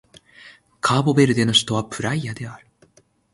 カーボベルデの首都はプライアである